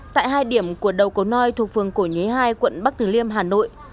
tại hai điểm của đầu cầu noi thuộc phường cổ nhế hai quận bắc thử liêm hà nội